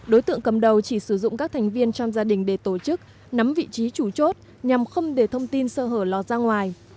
đối tượng cầm đầu chỉ sử dụng các thành viên trong gia đình để tổ chức nắm vị trí chủ chốt nhằm không để thông tin sơ hở lọt ra ngoài